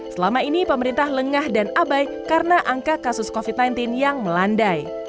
selama ini pemerintah lengah dan abai karena angka kasus covid sembilan belas yang melandai